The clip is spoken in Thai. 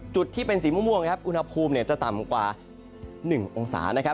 จุดที่เป็นสีม่วงอุณหภูมิจะต่ำกว่า๑องศา